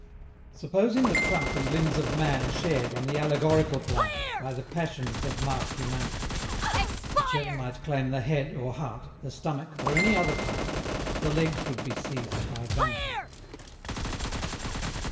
Supposing the Trunk and Limbs of Man Shared, on the allegorical plan, By the Passions that mark Humanity, Whichever might claim the head, or heart, The stomach, or any other part, The Legs would be seized by Vanity.